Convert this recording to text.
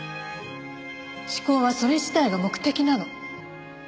思考はそれ自体が目的なの。